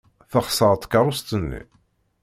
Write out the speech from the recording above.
Texṣer tkeṛṛust-nni.